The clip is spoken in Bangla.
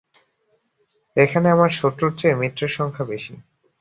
এখানে আমার শত্রুর চেয়ে মিত্রের সংখ্যা বেশী।